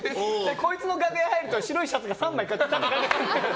こいつの楽屋入ると白いシャツが３枚かかってるから。